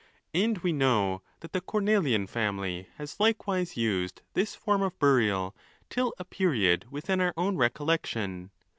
And we know that the Cornelian family has likewise used this form of burial, till a period within our own recollection.